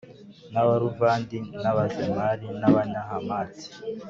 n Abaruvadi n Abazemari n Abanyahamati